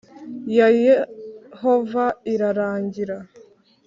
Ya yehova irarangira